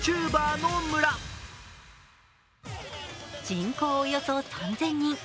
人口およそ３０００人。